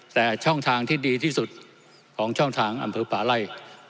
แต่ช่องทางที่ดีที่สุดของช่องทางอำเภอป่าไล่